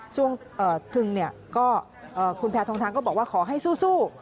ถึงคุณแพทองทางก็บอกว่าขอให้สู้